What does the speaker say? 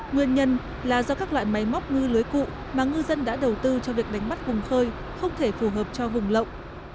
nguyên nhân là do các loại máy móc ngư lưới cụ mà ngư dân đã đầu tư cho việc đánh bắt vùng khơi không thể phù hợp cho vùng lộng